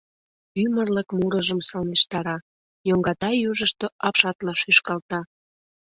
Ӱмырлык мурыжым сылнештара, йоҥгата южышто апшатла шӱшкалта.